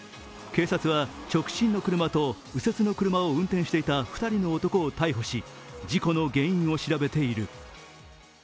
警察は直進の車と右折の車を運転していた２人の男を逮捕し事故の原因を調べている。